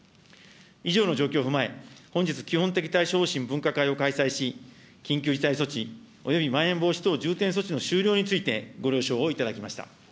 以上の状況を踏まえ、本日、基本的対処方針分科会を開催し、緊急事態措置およびまん延防止等重点措置の終了について、ご了承を頂きました。